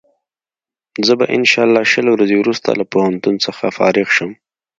زه به انشا الله شل ورځې وروسته له پوهنتون څخه فارغ شم.